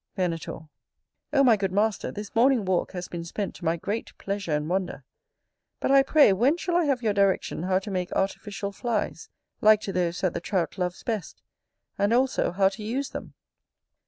Venator. O my good master, this morning walk has been spent to my great pleasure and wonder: but, I pray, when shall I have your direction how to make artificial flies, like to those that the Trout loves best; and, also, how to use them?